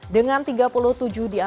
dengan tiga puluh tujuh diantara